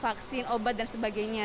maksin obat dan sebagainya